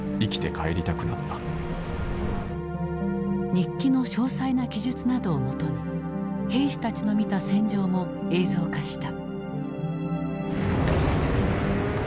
日記の詳細な記述などをもとに兵士たちの見た戦場も映像化した。